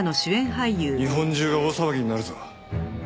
日本中が大騒ぎになるぞ。